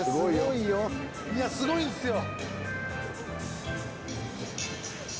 いやすごいんすよ。